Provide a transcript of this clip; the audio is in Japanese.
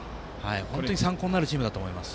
参考になるチームだと思います。